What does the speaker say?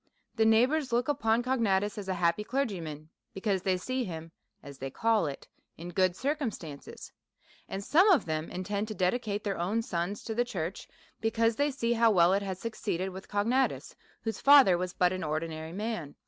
The neighbours look upon Cognatus as a happy clergyman, because they see him (as they call it) in good circumstances ; and some of them intend todedi iCate their own sons to the church, because they see how well it has succeeded with Cognatus, whose fa ther was but an ordinary man.